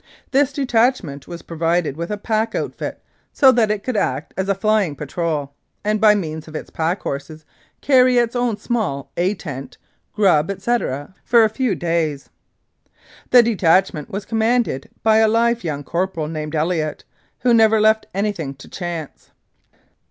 This detachment was provided with a pack outfit, so that it could act as a flying patrol, and by means of its pack horses carry its own small "A" tent, grub, etc., for a few days. The detachment was commanded by a live young corporal named Elliott, who never left anything to chance.